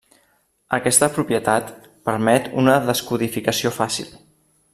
Aquesta propietat permet una descodificació fàcil.